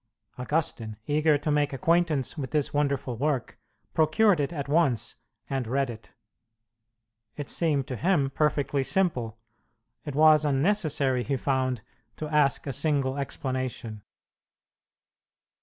Augustine, eager to make acquaintance with this wonderful work, procured it at once and read it. It seemed to him perfectly simple; it was unnecessary, he found, to ask a single explanation.